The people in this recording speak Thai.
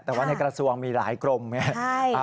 แต่ว่าในกระทรวงมีหลายกรมไง